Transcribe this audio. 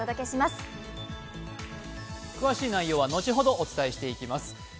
詳しい内容は後ほどお伝えしてまいります。